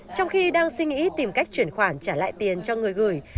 trong khi đang suy nghĩ tìm cách chuyển khoản trả lại tiền cho người gửi